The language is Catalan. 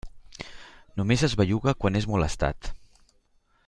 Només es belluga quan és molestat.